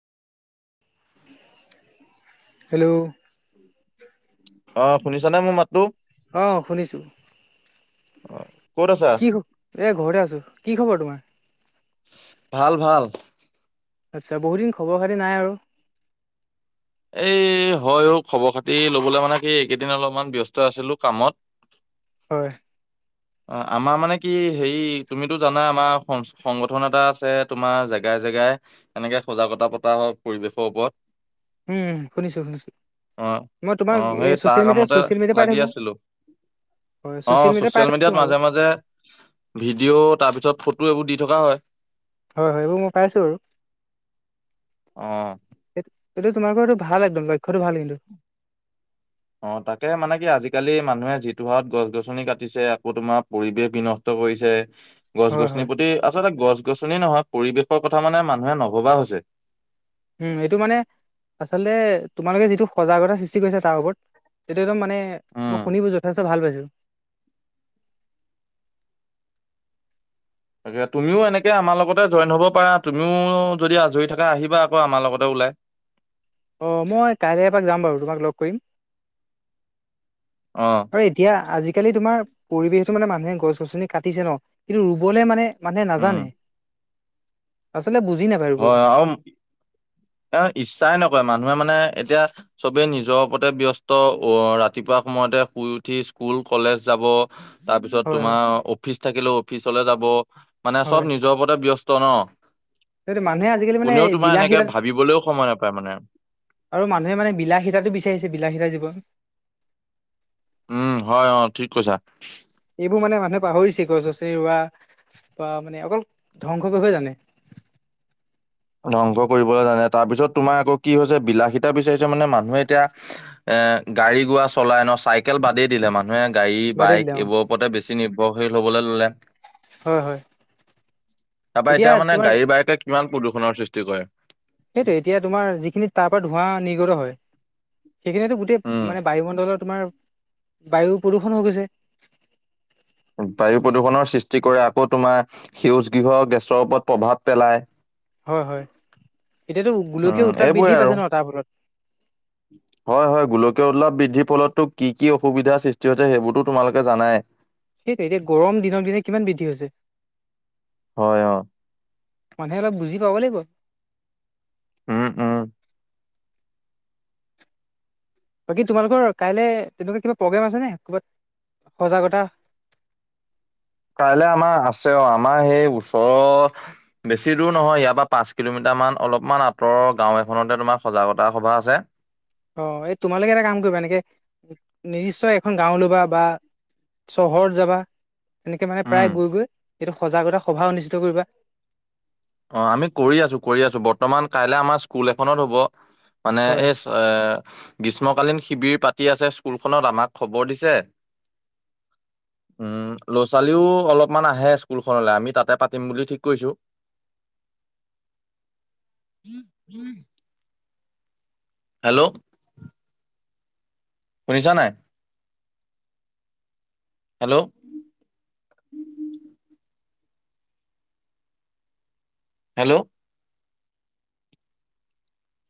Hello অ শুনিছ নে মোৰ মাতো? অ শুনিছোঁ। অ কত আছা? কি খো, এই ঘৰতে আছো। কি খবৰ তোমাৰ? ভাল ভাল। আচ্ছা বহু দিন খবৰ খাতি নাই আৰু। এই হয় খবৰ খাতি লবলৈ মানে কি এইকেইদিন অলপমান ব্যস্ত আছিলো কামত। হয়। অ আমাৰ মানে কি হেৰি তুমিতো জানা আমাৰ সংগঠন এটা আছে তোমাৰ জেগাই জেগাই। এনেকে সজাগতা পতা হয় পৰিৱেশৰ ওপৰত। উম শুনিছো শুনিছো অ মই তোমাক অ এই সেই তাৰ ছচিয়েল মিডিয়া কামতে ছচিয়েল মিডিয়া পাই লাগি থাকো আছিলো। হয় অ মিডিয়া পাই ছ'চিয়েল থাকো মিডিয়াত তোমালোকৰ মাজে মাজ- পাজে ভিডিঅ' তাৰ পিছত ফটো এইবোৰ দি থকা হয়। হয় হয় এইবোৰ মই পাইছো বাৰু। অ এইটো তোমালোকৰো ভাল একদম লক্ষ্যটো ভাল কিন্তু। অ তাকে মানে কি আজিকালি মানুহে যিটো হাৰত গছ -গছনি কাটিছে আকৌ তোমাৰ পৰিৱেশ বিন- ত কৰিছে। হয় হয় গছ-গছনিৰ প্ৰতি আচলতে গছ-গছনি নহয় পৰিৱেশৰ কথা মানে মানুহে নভবা হৈছে। উম এইটো মানে আচলতে তোমালোকে যিটো সজাগতা সৃষ্টি কৰিছা তাৰ ওপৰত তেতিয়া একদম মানে মই উম শুনি যথেষ্ট ভাল পাইছোঁ। তাকে তুমিও এনেকৈ আমাৰ লগতে জইন হ'ব পাৰা তুমিও যদি আজৰি থাকা আহিবা আকৌ আমাৰ লগতে ওলাই। অঁ মই কাইলৈ এপাক যাম বাৰু তোমাক লগ কৰিম। অ আৰু এতিয়া আজিকালি তোমাৰ পৰিৱেশো মানে মানুহে গছ -গছনি কাটিছে ন কিন্তু ৰুবলে মানে মানুহে উম নাজানে, আচলতে বুজি নাপায় ৰুবলে। হয় আৰু ইচ্ছাই নকয় মানুহে মানে এতিয়া চবেই নিজৰ ওপতে ব্যস্ত আহ ৰাতিপুৱা সময়তে শুই উঠি স্কুল কলেজ যাব। তাৰপিছত হয় হয় তোমাৰ অফিচ থাকিলেও অফিচলে যাব মানে চব হয়। নি নিজৰ ওপৰতে ব্যস্ত ন, সেইটো মানুহে আজিকালি মানে কোনেও তোমাৰ এনেকে বিলাসীতা ভাবিবলৈও সময় নাপায় মানে। আৰু মানুহে মানে বিলাহীতাতো বিচাৰিছে বিলাহীতা জীৱন। উম হয় অ ঠিক কৈছা। এইবোৰ মানে মানুহে পাহৰিছে গছ-গছনি ৰোৱা বা মানে অকল ধ্বংস কৰিবহে জানে। ধ্বংস কৰিবলৈ জানে তাৰপিছত তোমাৰ আকৌ কি হৈছে বিলাহীতা বিচাৰিছে মানে মানুহে এতিয়া এ গাড়ী গুৰা চলাই ন চাইকেল বাদেই দিলে মানুহে গাড়ী বাদেই বাইক দিলে অ এইবোৰৰ ওপৰতে বেছি নিৰ্ভৰশীল হবলৈ ললে। হয় হয় তাৰপা এতিয়া মানে গাড়ী বায়কে কিমান প্ৰদূষণৰ সৃষ্টি কৰে৷ সেইটোৱে এতিয়া তোমাৰ যিখিনি তাৰ পৰা ধোঁৱা নিৰ্গত হয় সেইখিনিয়ে টো গোটেই উম, মানে বায়ুমণ্ডলত তোমাৰ বায়ু প্ৰদূষণ হৈ গৈছে৷ বায়ু প্ৰদূষণৰ সৃষ্টি কৰে আকৌ তোমাৰ সেউজ গৃহৰ গেছৰ ওপৰত প্ৰভাৱ পেলায়৷ হয়-হয় এতিয়াতো উম, গোলকীয় উত্তাপ বৃদ্ধি পাইছে ন তাৰ ফলত। হয়-হয় গোলকীয় উললাপ বৃদ্ধিৰ ফলতো কি কি অসুবিধাৰ সৃষ্টি হৈছে সেইবোৰতো তোমালোকে জানাই। সেইটো এতিয়া গৰম দিনৰ দিনে কিমান বৃদ্ধি হৈছে। হয় অ' মানুহে অলপ বুজি পাব লাগিব। উম-উম। বাকী তোমালোকৰ কাইলৈ তেনেকুৱা কিবা প্ৰগ্ৰেম আছে নে ক'ৰবাত সজাগতা কাইলৈ আমাৰ আছে অ আমাৰ সেই ওচৰৰ বেছি দূৰ নহয় ইয়াৰ পৰা পাঁচ কিলোমিটাৰমান অলপমান আঁতৰৰ গাঁও এখনতে তোমাৰ সজাগতা সভা আছে। অ এই তোমালোকে এটা কাম কৰিবা এনেকে নিৰ্দিষ্ট এখন গাঁও ল'বা বা চহৰত যাবা৷ এনেকে মানে উম। প্ৰায় গৈ-গৈ এইটো সজাগতা সভা অনুষ্ঠিত কৰিবা৷ অ আমি কৰি আছো কৰি আছো বৰ্তমান কাইলে আমাৰ স্কুল এখনত হ'ব মানে হয় এই এ গ্ৰীষ্মকালীন শিবিৰ পাতি আছে স্কুলখনত আমাক খবৰ দিছে উম ল' ছোৱালীও অলপমান আহে স্কুলখনল আমি তাতে পাতিম বুলি ঠিক কৈছো৷ [inaudible] হেল্ল' শুনিছা নাই? Hello hello